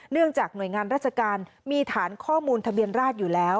จากหน่วยงานราชการมีฐานข้อมูลทะเบียนราชอยู่แล้ว